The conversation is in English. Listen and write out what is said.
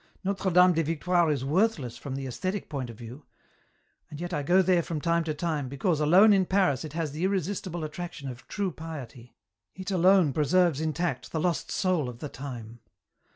Notre Dame des Victoires is worthless from the aesthetic point of view, and yet I go there from time to time, because alone in Paris it has the irresistible attraction of true piety, it alone preserves intact the lost soul of the Time.